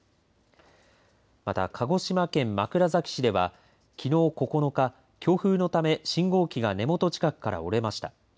また、鹿児島県枕崎市ではきのう９日、強風のため信号機が根元近くから折れました。